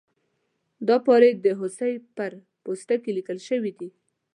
دا پارې د هوسۍ پر پوستکي لیکل شوي دي.